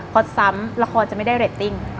พอซ้ำละครจะไม่ได้เรตติ้ง